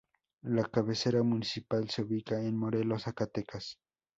La cabecera municipal se ubica en Morelos, Zacatecas.